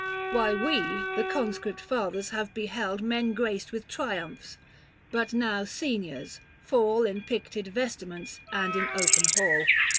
425 Why we, the Conscript Fathers, have beheld Men graced with triumphs, but now seniors, fall In picted vestments and in open hall.